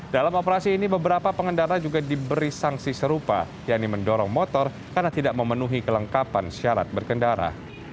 dalam operasi ini beberapa pengendara juga diberi sanksi serupa yaitu mendorong motor karena tidak memenuhi kelengkapan syarat berkendara